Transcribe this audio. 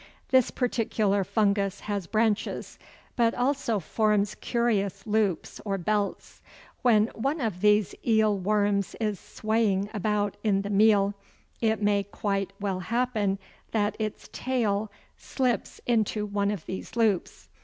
This particular fungus has branches, but also forms curious loops or belts. When one of these eel worms is swaying about in the meal, it may quite well happen that its tail slips into one of these loops.